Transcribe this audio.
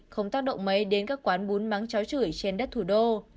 không tác động mấy đến các quán bún mắm cháo chửi trên đất thủ đô